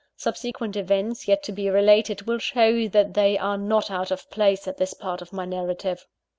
Subsequent events, yet to be related, will show that they are not out of place at this part of my narrative.